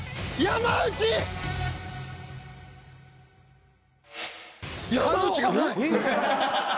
山内がない。